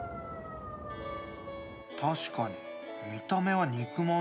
確かに見た目は肉まんですね。